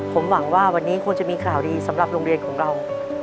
ผมหวังว่าวันนี้คงจะมีข่าวดีสำหรับโรงเรียนของเรา